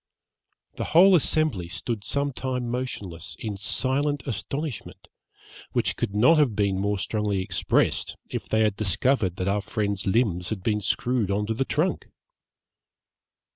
The whole assembly stood some time motionless, in silent astonishment, which could not have been more strongly expressed, if they had discovered that our friend's limbs had been screwed on to the trunk.